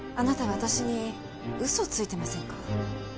私に嘘をついてませんか？